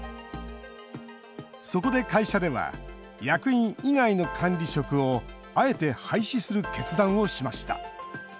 そこで会社では役員以外の管理職をあえて廃止する決断をしました。